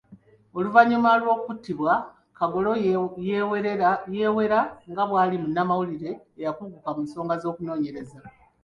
Ouvannyuma lw'okuttibwa Kagolo yeewera nga bwali munnamawulire eyakuguka mu nsonga z'okunoonyereza.